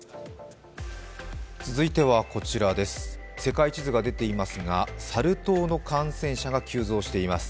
続いてはこちら、世界地図が出ていますが、サル痘の感染者が急増しています。